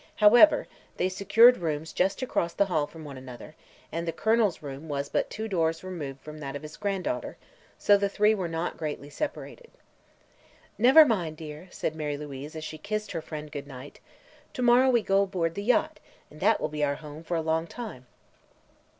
However, they secured rooms just across the hall from one another and the Colonel's room was but two doors removed from that of his granddaughter, so the three were not greatly separated. "Never mind, dear," said Mary Louise, as she kissed her friend good night; "to morrow we go aboard the yacht, and that will be our home for a long time."